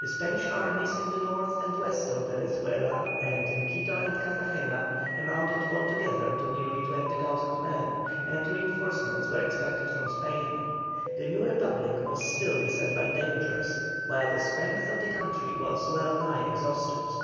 The Spanish armies in the north and west of Venezuela, and in Quito and Cartagena, amounted altogether to nearly 20,000 men, and reinforcements were expected from Spain. The new Republic was still beset by dangers, while the strength of the country was well nigh exhausted.